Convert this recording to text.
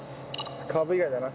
カーブ以外だな。